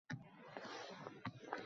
Yashamoq «Аlamjon» kuyiday ogʼir.